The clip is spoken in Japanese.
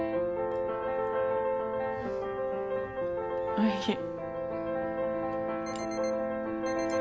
おいしい。